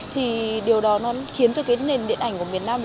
thì điều đó nó khiến cho cái nền điện ảnh của miền nam